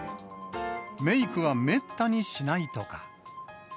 メークはめったにしないとか。